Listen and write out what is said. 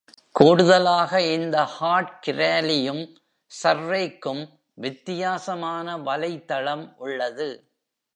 கூடுதலாக, இந்த ஹார்ட் கிராலியும் சர்ரேக்கும் வித்தியாசமான வலைத்தளம் உள்ளது.